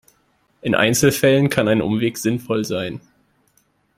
In Einzelfällen kann ein Umweg sinnvoll sein.